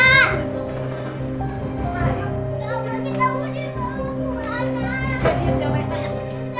enggak mita mau ditanya